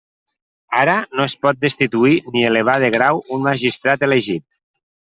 Ara, no es pot destituir ni elevar de grau un magistrat elegit.